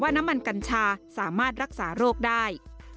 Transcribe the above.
น้ำมันกัญชาสามารถรักษาโรคได้